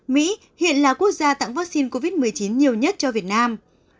mỹ hiện là quốc gia tặng vaccine covid một mươi chín nhiều nhất cho việt nam